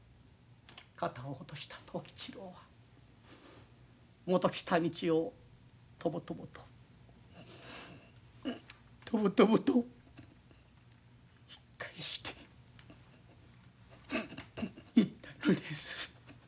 肩を落とした藤吉郎はもと来た道をとぼとぼととぼとぼと引き返していったのです。